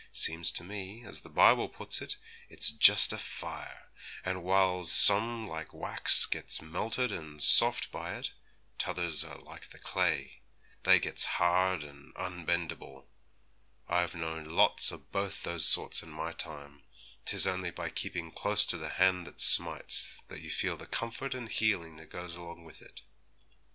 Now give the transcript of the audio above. Seems to me, as the Bible puts it, it's just a fire, and whiles some like wax gets melted and soft by it, t'others are like the clay, they gets hard and unbendable. I've known lots o' both those sorts in my time; 'tis only by keeping close to the Hand that smites that you feels the comfort and healing that goes along with it.